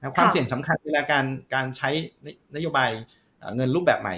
ความเสี่ยงสำคัญคือการใช้นโยบายเงินรูปแบบใหม่